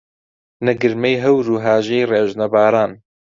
نە گرمەی هەور و هاژەی ڕێژنە باران